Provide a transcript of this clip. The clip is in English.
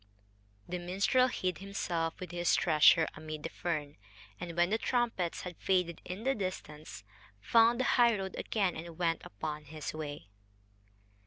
The minstrel hid himself, with his treasure, amid the fern, and, when the trumpets had faded in the distance, found the highroad again and went upon his way.